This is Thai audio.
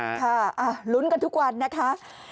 ค่ะลุ้นกันทุกวันนะคะ